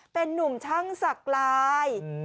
เป็นนุ่มช่างศักดิ์ลาย